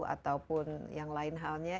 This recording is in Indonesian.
ataupun yang lain halnya